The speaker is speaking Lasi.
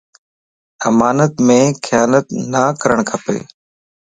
امانت مَ خيانت نه ڪرڻ کپ